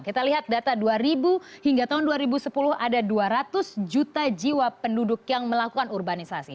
kita lihat data dua ribu hingga tahun dua ribu sepuluh ada dua ratus juta jiwa penduduk yang melakukan urbanisasi